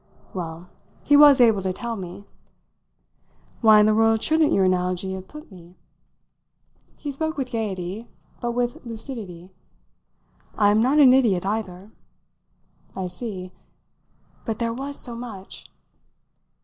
Well, he was able to tell me. "Why in the world shouldn't your analogy have put me?" He spoke with gaiety, but with lucidity. "I'm not an idiot either." "I see." But there was so much!